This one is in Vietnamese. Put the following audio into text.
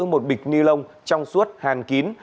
một bịch ni lông trong suốt hàn kín